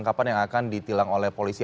ini kelengkapan yang akan ditilang oleh polisi